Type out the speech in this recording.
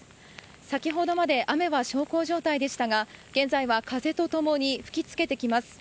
先ほどまで雨は小康状態でしたが現在は風とともに吹き付けてきます。